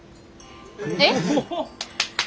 えっ！？